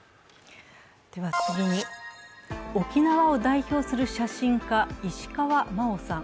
次に沖縄を代表する写真家、石川真生さん。